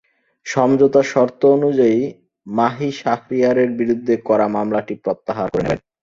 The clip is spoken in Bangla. সমঝোতা শর্ত অনুযায়ী, মাহি শাহরিয়ারের বিরুদ্ধে করা মামলাটি প্রত্যাহার করে নেবেন।